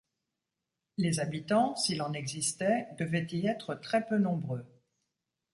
Les habitants, s'il en existait, devaient y être très peu nombreux.